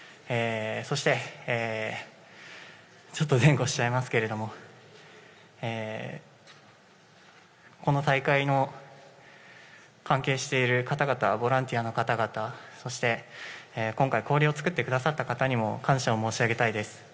そして、ちょっと前後しちゃいますけどこの大会の関係している方々ボランティアの方々そして、今回氷を作ってくださった方にも感謝を申し上げたいです。